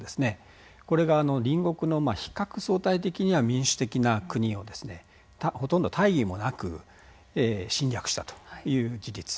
これが隣国の比較相対的には民主的な国をですねほとんど大義もなく侵略したという事実。